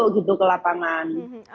tidak bisa masuk ke lapangan